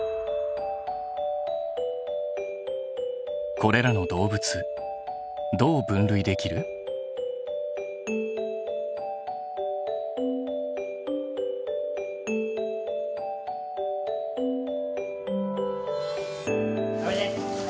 これらの動物どう分類できる？おいで！